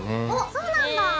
おっそうなんだ。